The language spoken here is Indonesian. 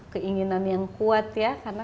keinginan yang kuat ya karena